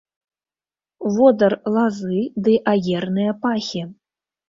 Водар лазы ды аерныя пахі.